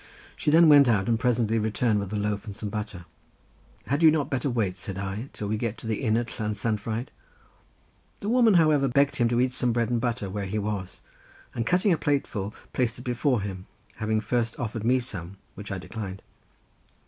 She then went out, and presently returned with a loaf and some butter. "Had you not better wait," said I, "till we get to the inn at Llansanfraid?" The woman, however, begged him to eat some bread and butter where he was, and cutting a plateful, placed it before him, having first offered me some, which I declined.